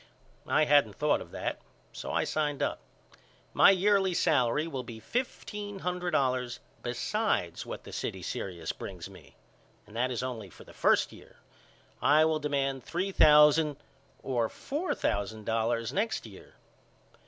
I hadn't thought of that so I signed up. My yearly salary will be fifteen hundred dollars besides what the city serious brings me. And that is only for the first year. I will demand three thousand or four thousand dollars next year.